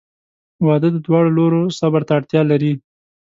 • واده د دواړو لورو صبر ته اړتیا لري.